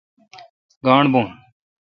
گاݨڈ بھو ۔